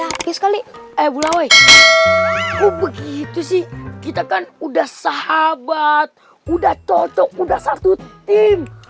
habis kali eh bula woi begitu sih kita kan udah sahabat udah cocok udah satu tim